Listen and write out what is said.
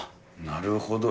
なるほど。